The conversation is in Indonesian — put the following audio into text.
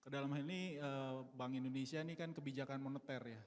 dalam hal ini bank indonesia ini kan kebijakan moneter ya